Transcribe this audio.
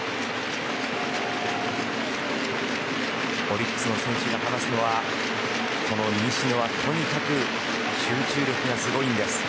オリックスの選手が話すのは西野はとにかく集中力がすごいんです。